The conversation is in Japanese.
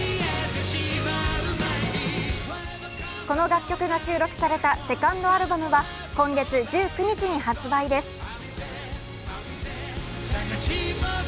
この楽曲が収録されたセカンドアルバムは今月１９日に発売です。